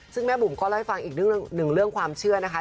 ซึ่งแม่บุ๋มก็เล่าให้ฟังอีกหนึ่งเรื่องความเชื่อนะคะ